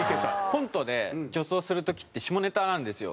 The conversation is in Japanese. コントで女装する時って下ネタなんですよ。